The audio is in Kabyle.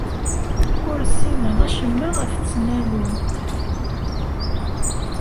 Ur ssineɣ acemma ɣef tesnallunt.